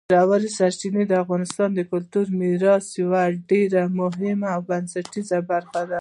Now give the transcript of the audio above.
ژورې سرچینې د افغانستان د کلتوري میراث یوه ډېره مهمه او بنسټیزه برخه ده.